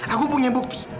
aku punya bukti